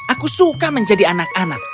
aku suka menjadi anak anak